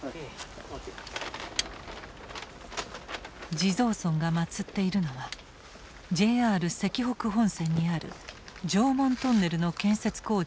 地蔵尊が祀っているのはＪＲ石北本線にある常紋トンネルの建設工事で亡くなった殉難者。